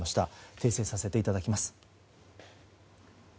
訂正させていただきます。